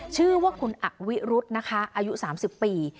ชื่อว่าคุณอักวิรุฑนะคะอายุสามสิบปี